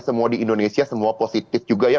semua di indonesia semua positif juga ya